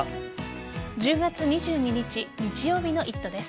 １０月２２日日曜日の「イット！」です。